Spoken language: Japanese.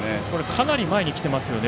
かなり前に来てますよね。